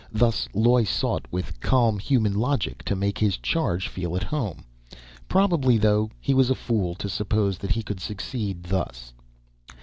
Thus Loy sought, with calm, human logic, to make his charge feel at home. Probably, though, he was a fool, to suppose that he could succeed, thus.